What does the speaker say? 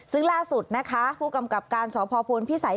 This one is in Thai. ซึ่งล่าสุดนะคะผู้กำกับการสพพลพิสัย